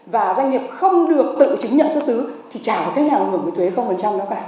và doanh nghiệp không được tự chứng nhận xuất xứ thì chả có cách nào ủng hộ cái thuế đó các bạn